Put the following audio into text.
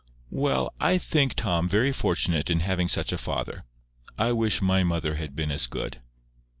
"Well, I think Tom very fortunate in having such a father. I wish my mother had been as good."